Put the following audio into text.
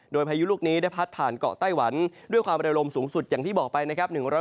โดยพายุลูกนี้ได้พัดผ่านเกาะไต้หวันด้วยความเร็วลมสูงสุดอย่างที่บอกไปนะครับ